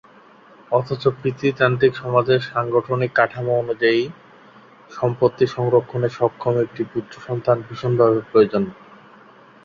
অথচ পিতৃতান্ত্রিক সমাজের সাংগঠনিক কাঠামো অনুযায়ী, সম্পত্তি সংরক্ষণে সক্ষম একটি পুত্রসন্তান ভীষণভাবে প্রয়োজন।